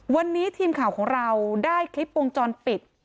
วันนี้ทีมข่าวของเราได้คลิปวงจรปิด